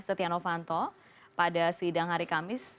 setia novanto pada sidang hari kamis